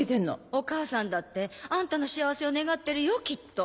お母さんだってあんたの幸せを願ってるよきっと。